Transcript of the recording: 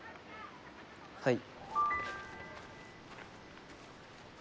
はい。